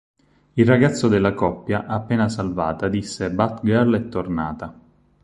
Il ragazzo della coppia appena salvata disse "Batgirl è tornata!".